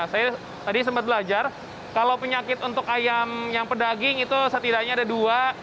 saya tadi sempat belajar kalau penyakit untuk ayam yang pedaging itu setidaknya ada dua